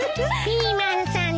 ピーマンさん